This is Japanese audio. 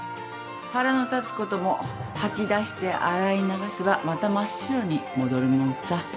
腹の立つことも吐き出して洗い流せばまた真っ白に戻るもんさ